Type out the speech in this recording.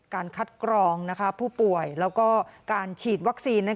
การคัดกรองผู้ป่วยแล้วก็การฉีดวัคซีน